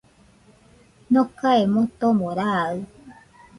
Nokae motomo raɨ,